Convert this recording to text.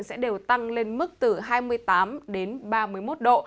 sẽ đều tăng lên mức từ hai mươi tám đến ba mươi một độ